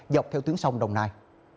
dọc theo tuyến sông đồng nai